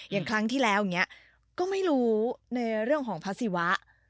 อย่างครั้งที่แล้วก็ไม่รู้ในเรื่องของภาษีวะ